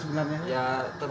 sekarang pertama dua dua